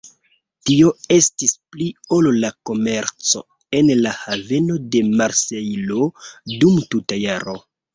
Tio estis pli ol la komerco en la haveno de Marsejlo dum tuta jaro.